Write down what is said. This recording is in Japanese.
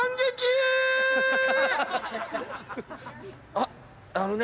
あっあのね。